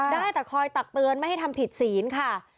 ได้แต่คอยตักเตือนไม่ให้ทำผิดศีลค่ะ